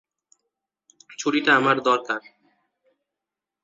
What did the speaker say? ছুরিটা আমার দরকার।